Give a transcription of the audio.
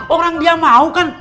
orang dia mau kan